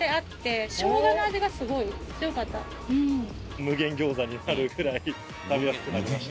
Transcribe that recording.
無限餃子になるぐらい食べやすくなりました。